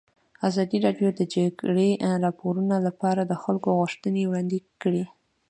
ازادي راډیو د د جګړې راپورونه لپاره د خلکو غوښتنې وړاندې کړي.